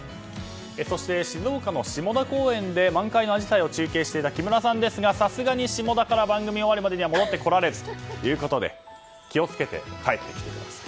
そして、静岡の下田公園で満開のアジサイを中継していた木村さんでしたがさすがに下田から番組終わりまでには戻ってこられずということで気を付けて帰ってきてください。